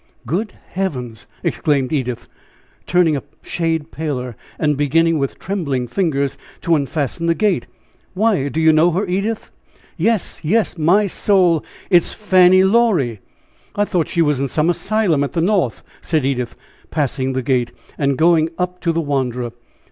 "Good heaven!" exclaimed Edith, turning a shade paler, and beginning, with trembling fingers, to unfasten the gate. "Why, do you know her, Edith?" "Yes! yes! My soul, it is Fanny Laurie! I thought she was in some asylum at the North!" said Edith, passing the gate, and going up to the wanderer.